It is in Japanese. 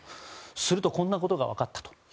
するとこんなことが分かった。